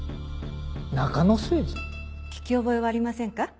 聞き覚えはありませんか？